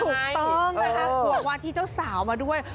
ถูกต้องนะคะควงวาทีเจ้าสาวมาด้วย